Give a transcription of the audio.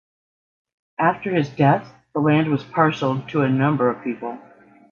After his death, the land was parceled to a number of people.